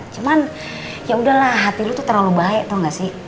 cuman yaudahlah hati lu tuh terlalu baik tau gak sih